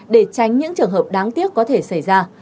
để tránh những trường hợp đáng tiếc có thể xảy ra